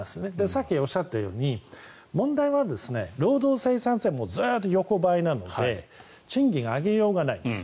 さっきおっしゃったように問題は労働生産性ずっと横ばいなので賃金を上げようがないんです。